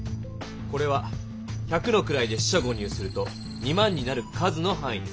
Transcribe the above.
これは百の位で四捨五入すると２万になる数のはんいです。